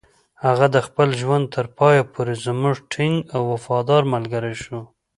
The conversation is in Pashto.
هغه د خپل ژوند تر پایه پورې زموږ ټینګ او وفادار ملګری شو.